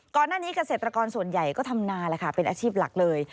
ก่อนหน้านี้เกษตรกรส่วนใหญ่ก็ทำนาแหละค่ะเป็นอาชีพหลักเลย